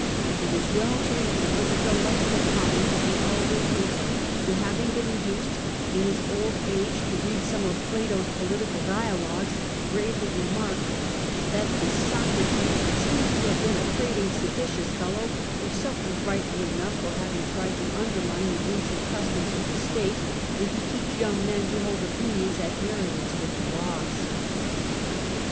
It is well to remember the delightful comment of the elder Cato, who having been induced in his old age to read some of Plato's political dialogues, gravely remarked ''that this Socrates seems to have been a prating seditious fellow, who suffered, rightly enough, for having tried to undermine the ancient customs of the state, and to teach young men to hold opinions at variance with the laws."